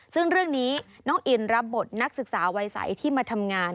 ซึ่งเรื่องนี้น้องอินรับบทนักศึกษาวัยใสที่มาทำงาน